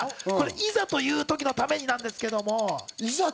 いざというときのためになんですけれども。